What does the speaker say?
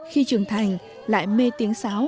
khi trưởng thành lại mê tiếng sáo